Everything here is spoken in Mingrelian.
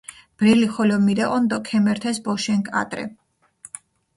ბრელი ხოლო მიდეჸონ დო ქემერთეს ბოშენქ ადრე.